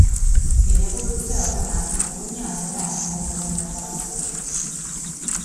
Bidegurutze horretan Urruña aldera egingo dugu metro batzuetan.